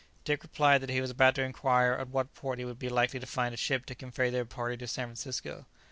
Dick replied that he was about to inquire at what port he would be likely to find a ship to convey their party to San Francisco.